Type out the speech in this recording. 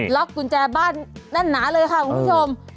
ล็อกกุญแจบ้านนั้นนะเลยค่ะคุณผู้ชม